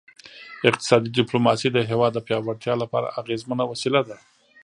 اقتصادي ډیپلوماسي د هیواد د پیاوړتیا لپاره اغیزمنه وسیله ده